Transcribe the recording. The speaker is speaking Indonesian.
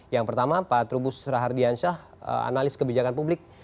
yang pertama pak trubus rahardiansyah analis kebijakan publik